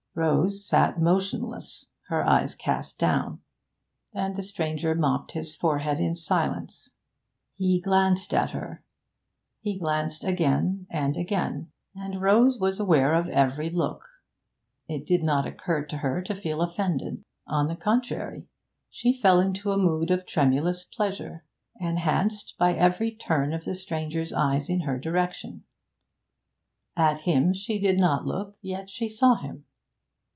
Rose sat motionless, her eyes cast down. And the stranger mopped his forehead in silence. He glanced at her; he glanced again and again; and Rose was aware of every look. It did not occur to her to feel offended. On the contrary, she fell into a mood of tremulous pleasure, enhanced by every turn of the stranger's eyes in her direction. At him she did not look, yet she saw him.